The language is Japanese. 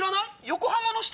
横浜の下？